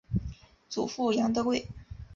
祖父杨德贵。